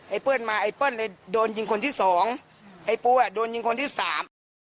ไอ้เพื่อนมาไอ้เพื่อนโดนยิงคนที่สองไอ้ปูโดนยิงคนที่สาม